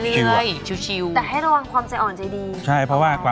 แม่บ้านประจันบัน